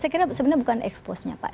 saya kira sebenarnya bukan eksposnya pak